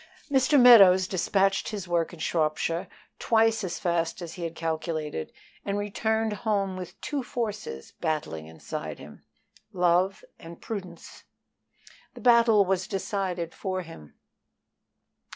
MR. MEADOWS dispatched his work in Shropshire twice as fast as he had calculated, and returned home with two forces battling inside him love and prudence. The battle was decided for him.